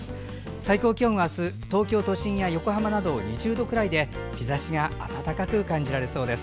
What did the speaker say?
最高気温は、あす東京都心や横浜など２０度くらいで日ざしが暖かく感じられそうです。